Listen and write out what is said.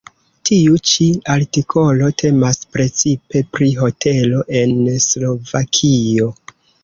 Tiu ĉi artikolo temas precipe pri hotelo en Slovakio.